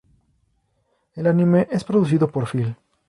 El anime es producido por Feel.